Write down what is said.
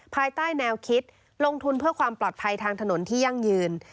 ภายใต้แนวคิดลงทุนเพื่อความปลอดภัยทางถนนที่ยั่งยืน